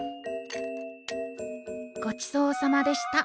ごちそうさまでした。